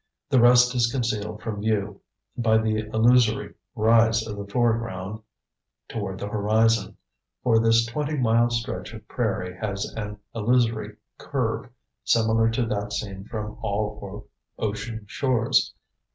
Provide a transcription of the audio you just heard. The rest is concealed from view by the illusory rise of the foreground toward the horizon for this twenty mile stretch of prairie has an illusory curve similar to that seen from all ocean shores.